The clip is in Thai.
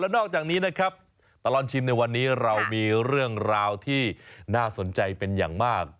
นอกจากนี้นะครับตลอดชิมในวันนี้เรามีเรื่องราวที่น่าสนใจเป็นอย่างมาก